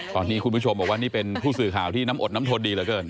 ตอนนี้คุณผู้ชมบอกว่านี่เป็นผู้สื่อข่าวที่น้ำอดน้ำทนดีเหลือเกิน